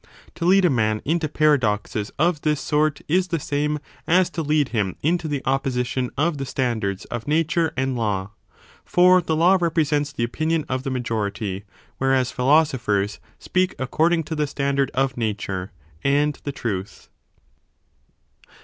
To lead a man into paradoxes of this sort is the same as to lead him into the opposition of the standards of nature and law :. for the law represents the opinion of the majority, whereas philo sophers speak according to the standard of nature and 30 the truth.